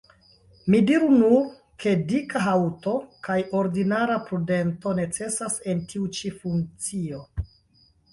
Mi diru nur, ke dika haŭto kaj ordinara prudento necesas en tiu ĉi funkcio.